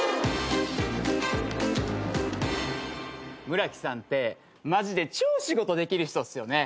村木さんってマジで超仕事できる人っすよね。